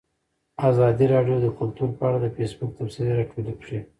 ازادي راډیو د کلتور په اړه د فیسبوک تبصرې راټولې کړي.